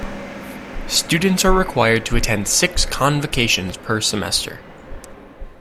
Students are required to attend six convocations per semester.